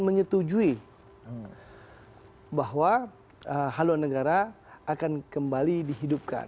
menyetujui bahwa haluan negara akan kembali dihidupkan